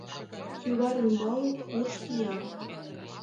Кӱвар ӱмбалне курш кия.